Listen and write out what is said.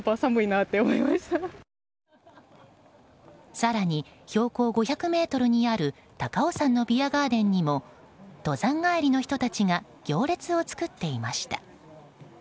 更に標高５００ｍにある高尾山のビアガーデンにも登山帰りの人たちが行列を作っていました。